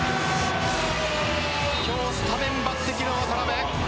今日スタメン抜てきの渡邊。